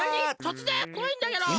とつぜん？こわいんだけど。